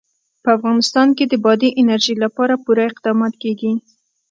په افغانستان کې د بادي انرژي لپاره پوره اقدامات کېږي.